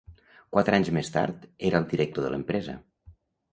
Quatre anys més tard, era el director de l'empresa.